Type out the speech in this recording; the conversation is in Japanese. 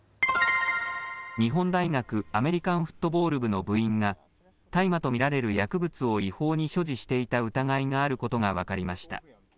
日本大学アメリカンフットボール部の部員が大麻と見られる薬物を違法に所持していた疑いがあることが分かりました。